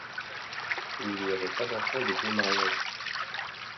Il n'y avait pas d'enfants des deux mariages.